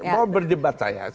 mau berdebat saya